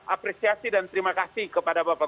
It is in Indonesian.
apresiasi dan terima kasih kepada bapak